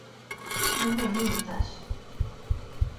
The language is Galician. Non me mintas.